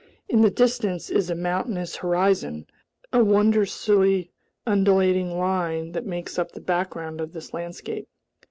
In the distance is a mountainous horizon, a wondrously undulating line that makes up the background of this landscape.